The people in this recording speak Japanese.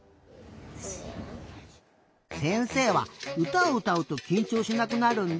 せんせいはうたをうたうときんちょうしなくなるんだ。